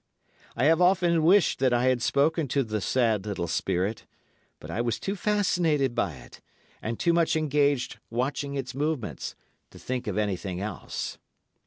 I have often wished that I had spoken to the sad little spirit, but I was too fascinated by it, and too much engaged watching its movements, to think of anything else.